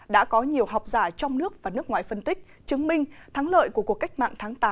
đã có nhiều học giả trong nước và nước ngoại phân tích chứng minh thắng lợi của cuộc cách mạng tháng tám